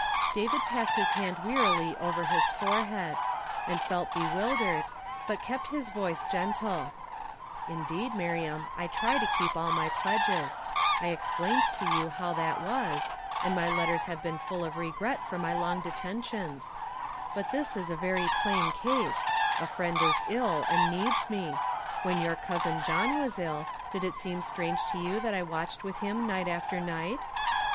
David passed his hand wearily over his forehead, and felt bewildered, but he kept his voice gen lie. "HOPE DEFERRED." 271 " Indeed, Miriam, I try to keep all my pledges. I explained to you how that was, and my letters have been full of regret for my long detentions ; but this is a very plain case, — a friend is ill and needs me. When your cousin John was ill, did it seem strange to you that I watched with him night after night?"